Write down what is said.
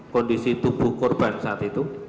kondisi tubuh korban saat itu